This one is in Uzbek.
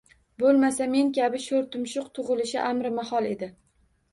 Bo’lmasa, men kabi sho’rtumshuq tug’ilishi amrimahol edi.